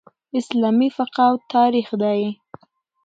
اسلامي فقه او تاریخ دئ.